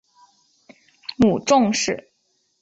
母仲氏。